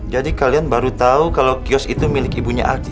jadi kalian baru tahu kalau kios itu milik ibunya aldi